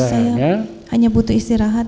saya hanya butuh istirahat